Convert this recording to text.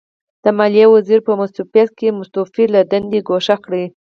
د ماليې وزیر په مستوفیت کې مستوفي له دندې ګوښه کړ.